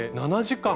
７時間！